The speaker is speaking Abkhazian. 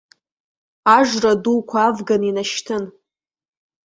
Ажра дуқәа авганы инашьҭын.